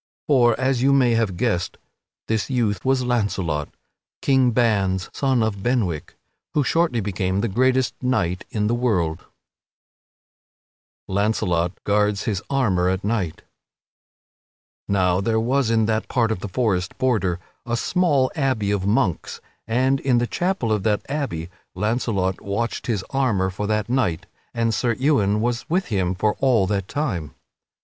For, as you may have guessed, this youth was Launcelot, King Ban's son of Benwick, who shortly became the greatest knight in the world. [Sidenote: Launcelot guards his armor at night] Now there was in that part of the forest border a small abbey of monks, and in the chapel of that abbey Launcelot watched his armor for that night and Sir Ewain was with him for all that time.